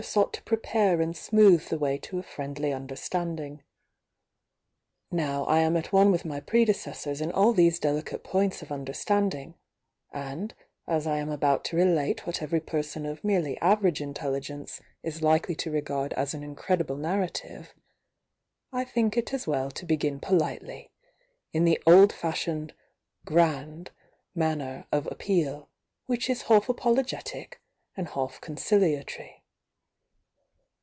sought to prepare and smooth the way to a frSy understanding Now I am at one with my pS ce^ors m all these delicate points of understeS^ and as I am about to relate what every person of ?''!:!L^M^"''*^ inteUigence is likely to regLd ^«m incredible narrative, I think it as well to begi^p^ np^fe ^■ °'d |ashioned "grand" manner of ap "r»;l p !? half apologetic, and half conciliatoi^.